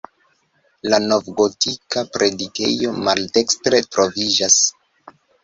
La novgotika predikejo maldekstre troviĝas.